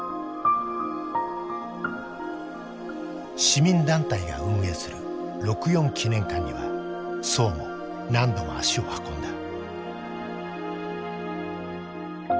市民団体が運営する六四記念館には曽も何度も足を運んだ。